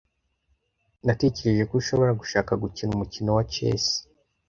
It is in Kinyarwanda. Natekereje ko ushobora gushaka gukina umukino wa chess.